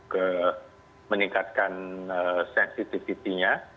ke meningkatkan sensitivitinya